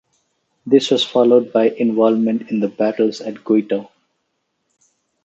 This was followed by involvement in the battles at Goito.